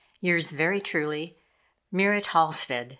Yours very truly, Murat Halstead.